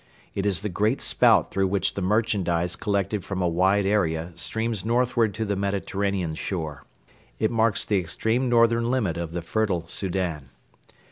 It is the great spout through which the merchandise collected from a wide area streams northwards to the Mediterranean shore. It marks the extreme northern limit of the fertile Soudan.